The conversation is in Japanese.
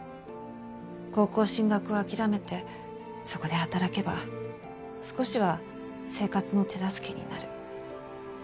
高校進学を諦めてそこで働けば少しは生活の手助けになる。